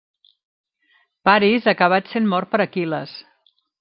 Paris acabat sent mort per Aquil·les.